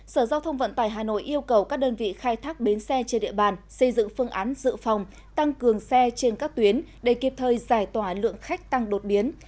sở giao thông vận tải hà nội yêu cầu các đơn vị khai thác bến xe trên địa bàn xây dựng phương án dự phòng tăng cường xe trên các tuyến để kịp thời giải tỏa lượng khách tăng đột biến